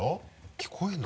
聞こえるの？